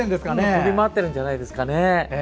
飛び回ってるんじゃないですかね。